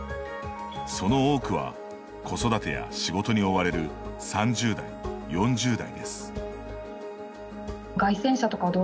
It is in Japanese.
その多くは子育てや仕事に追われる３０代、４０代です。